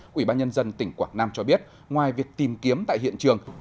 quỹ ban nhân dân tỉnh quảng nam cho biết ngoài việc tìm kiếm tại hiện trường